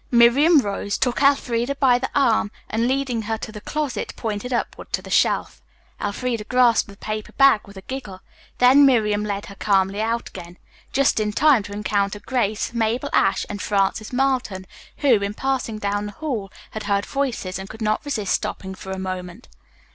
Miriam rose, took Elfreda by the arm, and leading her to the closet, pointed upward to the shelf. Elfreda grasped the paper bag with a giggle. Then Miriam led her calmly out again, just in time to encounter Grace, Mabel Ashe and Frances Marlton, who, in passing down the hall, had heard voices, and could not resist stopping for a moment.